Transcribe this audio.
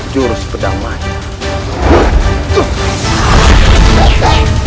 jurus pedang maju